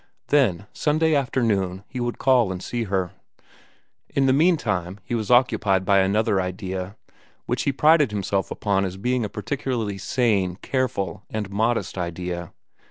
Then, Sunday afternoon, he would call and see her. In the meantime he was occupied by another idea, which he prided himself upon as being a particularly sane, careful, and modest idea.